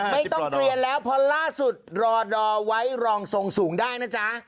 ไม่ต้องเกลียนแล้วเพราะล่าสุดรอดอไว้รองทรงสูงได้นะจ๊ะ